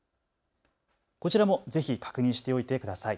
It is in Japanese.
こちらもぜひ確認しておいてください。